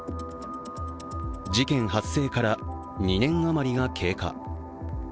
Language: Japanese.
事件発生から２年余りが経過。